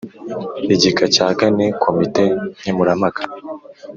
Igika cya kane komite nkemurampaka